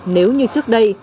nếu như trước đây